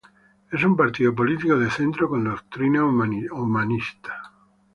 Es un partido político de centro con doctrina humanista.